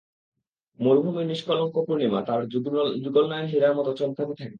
মরুভূমির নিষ্কলংক পূর্ণিমা তার যুগলনয়ন হীরার মত চমকাতে থাকে।